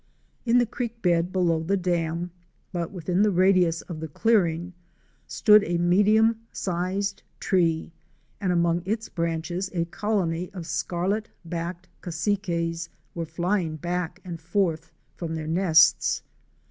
In the creek bed below the dam, but within the radius of the clearing, stood a medium sized tree and among its branches a colony of Scarlet backed Cassiques ' were flying back and forth from their nests.